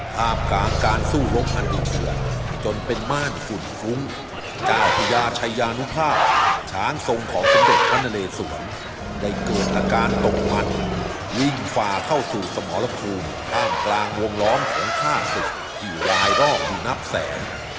ท่ามกลางการสู้รบพันดินเถื่อนจนเป็นม่านฝุ่นฟุ้งเจ้าพญาชายานุภาพช้างทรงของสมเด็จพระนเลสวนได้เกิดอาการตกมันวิ่งฝ่าเข้าสู่สมรภูมิท่ามกลางวงล้อมของฆ่าศึกกี่รายรอบนับแสน